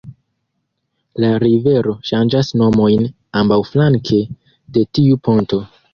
La rivero ŝanĝas nomojn ambaŭflanke de tiu ponto.